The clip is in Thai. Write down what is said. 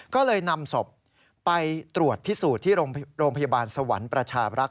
ก็เลยนำศพไปตรวจพิสูจน์ที่โรงพยาบาลสวรรค์ประชาบรักษ